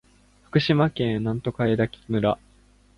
福島県檜枝岐村